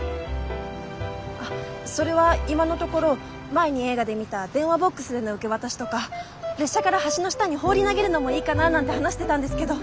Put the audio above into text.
あっそれは今のところ前に映画で見た電話ボックスでの受け渡しとか列車から橋の下に放り投げるのもいいかななんて話してたんですけど。